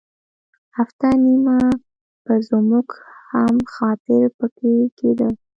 هفته نیمه به زموږ هم خاطر په کې کېده.